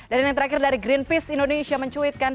dan yang terakhir dari greenpeace indonesia mencuitkan